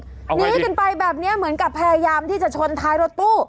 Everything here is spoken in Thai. หนีกันไปแบบนี้เหมือนกับพยายามที่จะชนท้ายรถตู้